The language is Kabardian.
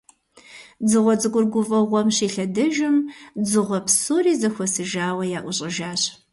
Дзыгъуэ цӀыкӀур гуфӀэу гъуэм щилъэдэжым, дзыгъуэ псори зэхуэсыжауэ яӀущӀэжащ.